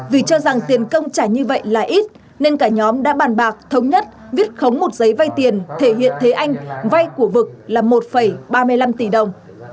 vì cho rằng tiền công trả như vậy là ít nên cả nhóm đã bàn bạc thống nhất viết khống một giấy vay tiền thể hiện thế anh vay của vực là một ba mươi năm tỷ đồng